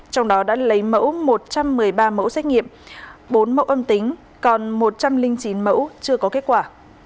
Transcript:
trong đó đã lấy mẫu một trăm một mươi ba mẫu xét nghiệm bốn mẫu âm tính còn một trăm linh chín mẫu chưa có kết quả